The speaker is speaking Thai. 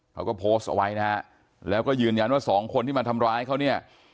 เขาก็โพสต์เอาไว้นะฮะแล้วก็ยืนยันว่าสองคนที่มาทำร้ายเขาเนี่ย